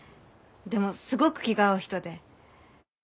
でもすごく気が合う人で。